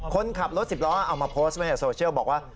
คนขับรถสิบล้อเอามาโพสต์ไว้ในโซเชียลบอกว่า